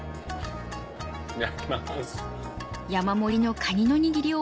いただきます。